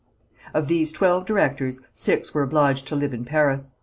Of these twelve directors six were obliged to live in Paris.